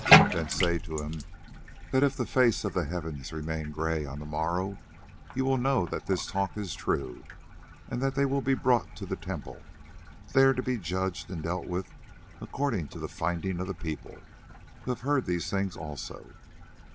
Then say to them that if the face of the heavens remains grey on the morrow, you will know that this talk is true, and that they will be brought to the temple, there to be judged and dealt with according to the finding of the people, who have heard these things also."